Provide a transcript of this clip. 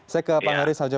saya ke pak heri saja